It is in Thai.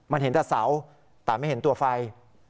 มันเห็นแต่เสาแต่ไม่เห็นตัวไฟ